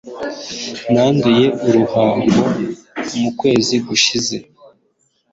Nanduye uruhago mu kwezi gushize.